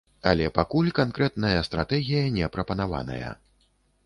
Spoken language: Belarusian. Але пакуль канкрэтная стратэгія не прапанаваная.